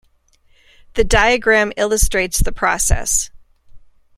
The diagram illustrates the process.